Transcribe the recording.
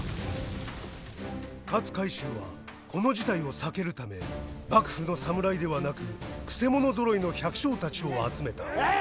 勝海舟はこの事態を避けるため幕府の侍ではなくくせ者ぞろいの百姓たちを集めた。